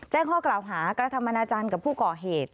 แจ้งข้อกล่าวหากรัฐมนาจันทร์กับผู้ก่อเหตุ